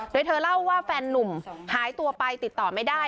โดยเธอเล่าว่าแฟนนุ่มหายตัวไปติดต่อไม่ได้